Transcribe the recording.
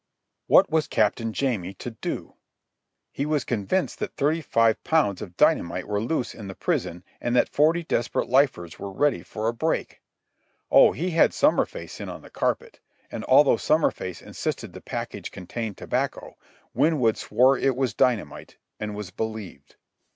What was Captain Jamie to do? He was convinced that thirty five pounds of dynamite were loose in the prison and that forty desperate lifers were ready for a break. Oh, he had Summerface in on the carpet, and, although Summerface insisted the package contained tobacco, Winwood swore it was dynamite and was believed.